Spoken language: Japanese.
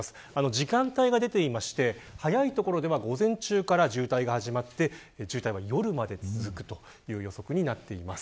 時間帯が出ていまして早い所では午前中から渋滞が始まって渋滞は夜まで続くという予想になっています。